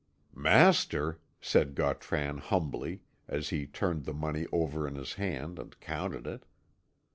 "Master," said Gautran humbly, as he turned the money over in his hand and counted it.